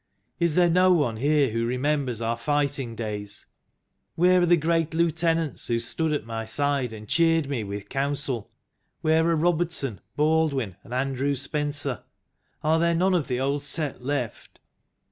" Is there no one here who remembers our fighting days ? Where are the great lieutenants who stood at my side and cheered me with counsel? Where are Robertson, Baldwin, and Andrew Spencer? Are there none of the old set left?"